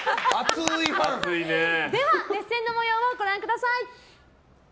では熱戦の模様をご覧ください。